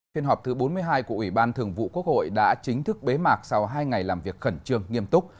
phiên họp thứ bốn mươi hai của ủy ban thường vụ quốc hội đã chính thức bế mạc sau hai ngày làm việc khẩn trương nghiêm túc